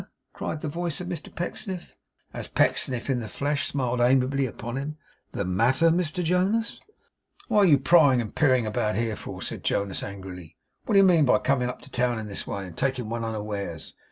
cried the voice of Mr Pecksniff, as Pecksniff in the flesh smiled amiably upon him. 'The matter, Mr Jonas!' 'What are you prying and peering about here for?' said Jonas, angrily. 'What do you mean by coming up to town in this way, and taking one unawares?